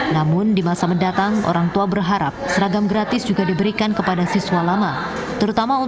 namun di masa mendatang orang tua berharap seragam gratis juga diberikan